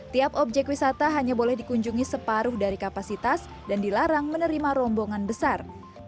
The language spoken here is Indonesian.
tiap objek wisata hanya boleh dikunjungi separuh dari kapasitas dan dilarang menerima rombongan besar